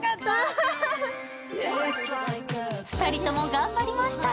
２人とも頑張りました。